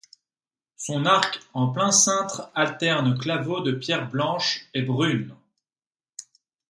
Son arc en plein cintre alterne claveaux de pierres blanches et brunes.